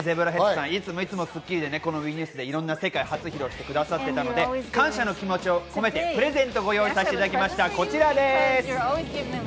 ＺＥＢＲＡＨＥＡＤさん、いつもいつも『スッキリ』でＷＥニュースでいろんな世界初披露してくださっていたので、感謝の気持ちを込めてプレゼントをご用意しました、こちらです。